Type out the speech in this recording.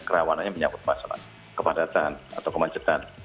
kerawanannya menyambut masalah kepadatan atau kemancetan